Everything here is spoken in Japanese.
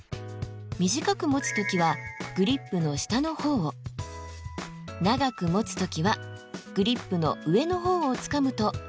短く持つ時はグリップの下の方を長く持つ時はグリップの上の方をつかむと歩きやすいといいます。